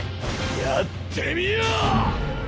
やってみよ！